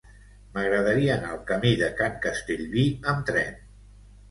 M'agradaria anar al camí de Can Castellví amb tren.